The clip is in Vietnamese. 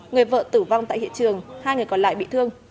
người vợ tử vong tại hiện trường hai người còn lại bị thương